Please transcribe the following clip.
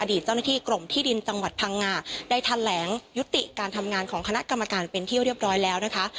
เจ้าหน้าที่กรมที่ดินจังหวัดพังงาได้แถลงยุติการทำงานของคณะกรรมการเป็นที่เรียบร้อยแล้วนะคะ